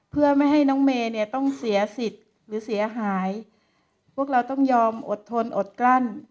เพื่อไม่ให้น้องเมย์เนี่ยต้องเสียสิทธิ์หรือเสียหายพวกเราต้องยอมอดทนอดกลั้น